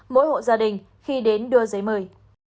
mỗi hộ gia đình khi đến đưa giấy mời